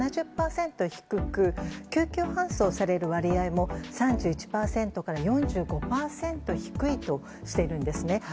低く救急搬送される割合も３１％から４５％低いとしているんです。